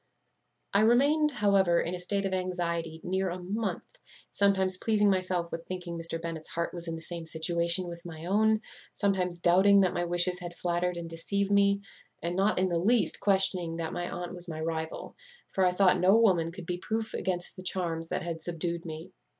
"I remained, however, in a state of anxiety near a month; sometimes pleasing myself with thinking Mr. Bennet's heart was in the same situation with my own; sometimes doubting that my wishes had flattered and deceived me, and not in the least questioning that my aunt was my rival; for I thought no woman could be proof against the charms that had subdued me.